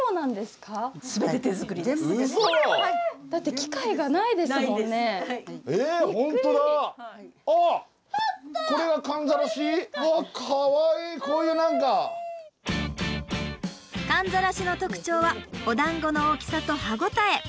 かんざらしの特徴はお団子の大きさと歯応え。